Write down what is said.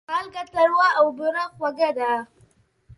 مالګه تروه او بوره خوږه ده.